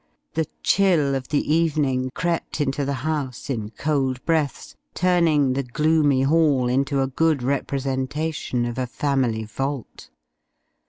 The chill of the evening crept into the house in cold breaths, turning the gloomy hall into a good representation of a family vault.